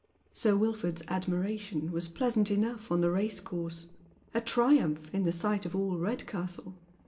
Sir Wilford's admiration was plejisant enough oti the racecourse, a triumph in the sight of all Kedcastle.